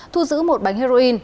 thu giữ một bánh heroin